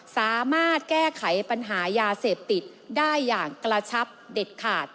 สามารถแก้ไขปัญหายาเสพติดได้อย่างกระชับเด็ดขาด